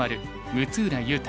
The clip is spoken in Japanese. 六浦雄太